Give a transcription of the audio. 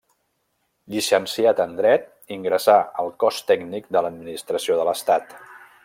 Llicenciat en dret, ingressà al Cos Tècnic de l'Administració de l'Estat.